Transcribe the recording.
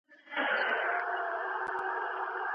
زمرد بې کیفیته نه دي.